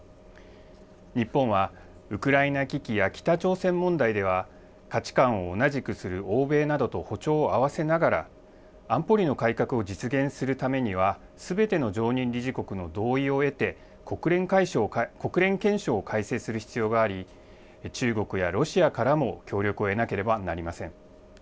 日本は、ウクライナ危機や北朝鮮問題では、価値観を同じくする欧米などと歩調を合わせながら、安保理の改革を実現するためには、すべての常任理事国の同意を得て、国連憲章を改正する必要があり、中国やロシアからも協力を得なければなりません。